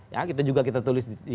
ya kita juga kita tulis di